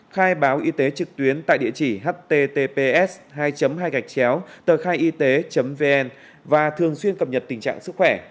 khai báo y tế trực tuyến tại địa chỉ https hai hai gạch chéo tờ khai y tế vn và thường xuyên cập nhật tình trạng sức khỏe